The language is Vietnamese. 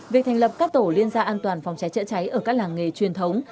việc thành lập các tổ liên gia an toàn phòng cháy chữa cháy ở các làng nghề truyền thống